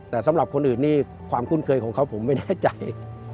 แต่สำหรับคนอื่นนี่ความคุ้นเคยของเขาผมไม่แน่ใจ